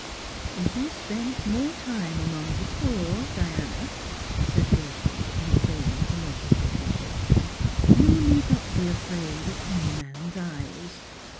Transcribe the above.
" If you spent more time among the poor, Diana," said Ger trude, not deigning to notice this interruption, '"you need not be afraid of any man's eyes.